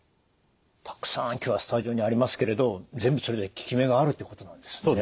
たくさん今日はスタジオにありますけれど全部それぞれ効き目があるということなんですね。